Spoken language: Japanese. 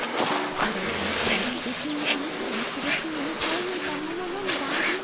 それはまさに１日１個の苦しみにたえぬいた者のみが味わえるプクプクの時。